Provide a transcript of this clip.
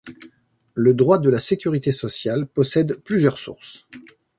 Le droit de la sécurité sociale possède plusieurs sources.